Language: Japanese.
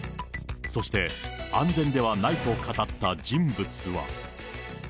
そして、安全ではないと語った人物は。